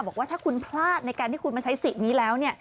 บอกว่าถ้าคุณพลาดในการที่คุณมาใช้สิทธิ์นี้แล้ว